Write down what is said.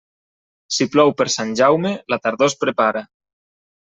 Si plou per Sant Jaume, la tardor es prepara.